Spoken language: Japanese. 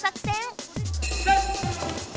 セット！